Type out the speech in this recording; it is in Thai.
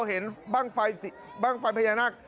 เห็นบ้างไฟพญานาค